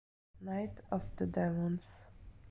Night of the Demons